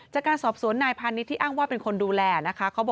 จากการสอบสวนนายพาณิชย์ที่อ้างว่าเป็นคนดูแลนะคะ